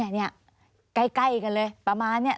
นี่ใกล้กันเลยประมาณนี้